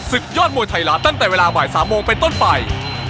ศึกยอดมวยไทยรัฐตั้งแต่เวลาบ่าย๓โมงไปต้นไป